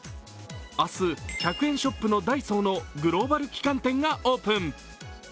明日、１００円ショップのＤＡＩＳＯのグローバル旗艦店がオープン。